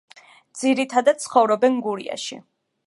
ძირითადად ცხოვრობენ გურიაში.